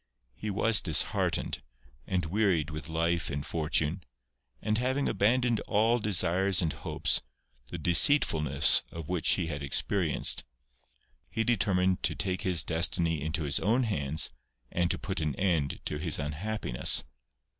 He was disheartened, and wearied with life and fortune, and having abandoned all desires and hopes, the deceitfulness of which he had experienced, he determined to take his destiny into his own hands, and to put an end to his unhappiness.